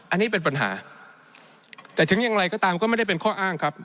อันนี้เป็นปัญหาแต่ถึงอย่างไรก็ตามก็ไม่ได้เป็นข้ออ้างครับ